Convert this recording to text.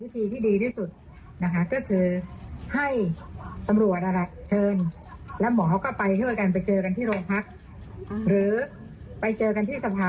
แต่ขอไม่พูดผ่านตรงนี้